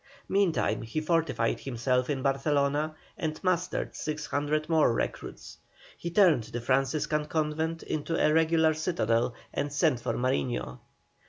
Meantime he fortified himself in Barcelona, and mustered 600 more recruits. He turned the Franciscan convent into a regular citadel and sent for Mariño.